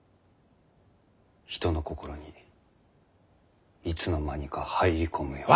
人の心にいつの間にか入り込むような。